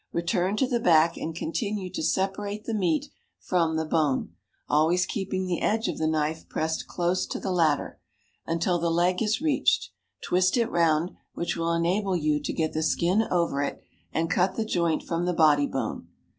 Return to the back and continue to separate the meat from the bone, always keeping the edge of the knife pressed close to the latter, until the leg is reached; twist it round, which will enable you to get the skin over it, and cut the joint from the body bone.